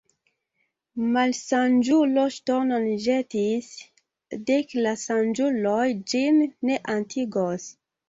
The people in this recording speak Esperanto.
Malsaĝulo ŝtonon ĵetis, dek saĝuloj ĝin ne atingos.